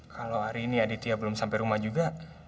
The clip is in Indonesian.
kalau hari ini aditya belum sampai rumah juga